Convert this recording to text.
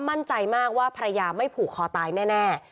มั่นใจมากว่าภรรยาไม่ผูกคอตายแน่